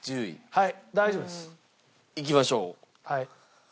はい。